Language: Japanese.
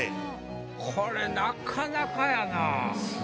これなかなかやな。